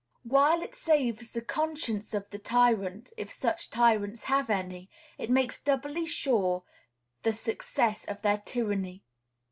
While it saves the conscience of the tyrant, if such tyrants have any, it makes doubly sure the success of their tyranny.